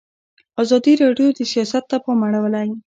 ازادي راډیو د سیاست ته پام اړولی.